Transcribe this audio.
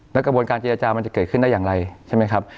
แล้วกระบวนการเจรจามันจะเกิดขึ้นได้อย่างไรใช่ไหมครับ